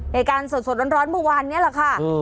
ในการสดสดร้อนเมื่อวานเนี่ยแหละค่ะ